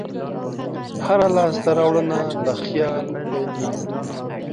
هره لاسته راوړنه له خیال پیلېږي.